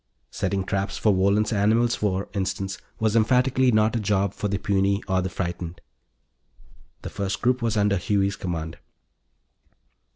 Setting traps for Wohlen's animals, for instance, was emphatically not a job for the puny or the frightened. The first group was under Huey's command.